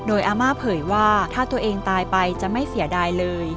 โดยอาม่าเผยว่าถ้าตัวเองตายไปจะไม่เสียดายเลย